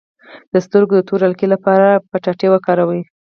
د سترګو د تورې حلقې لپاره کچالو وکاروئ